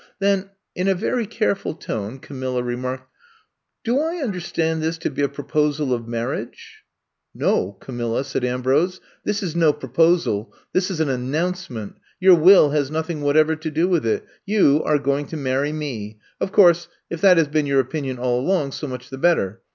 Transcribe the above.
Then, in a very care ful tone, Camilla remarked :*' Do I under stand this to be a proposal of marriage ?'' *'No, Camilla,'* said Ambrose, *Hhis is no proposal. This is an announcement. Your will has nothing whatever to do with it. You are going to marry me. Of course, if that has been your opinion all along, so much the better.